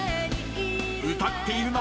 ［歌っているのは］